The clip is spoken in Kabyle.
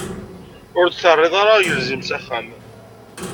Ur d-terriḍ ara agelzim s axxam.